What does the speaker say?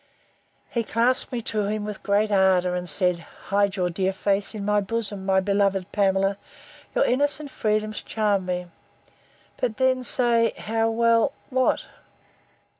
He clasped me to him with great ardour, and said, Hide your dear face in my bosom, my beloved Pamela! your innocent freedoms charm me!—But then say, How well—what?